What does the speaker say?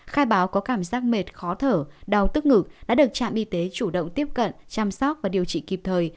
khai báo có cảm giác mệt khó thở đau tức ngực đã được trạm y tế chủ động tiếp cận chăm sóc và điều trị kịp thời